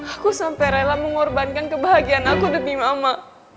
aku sampai rela mengorbankan kebahagiaan aku demi mama